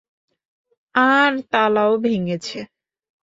আর তালাও ভেঙ্গেছে।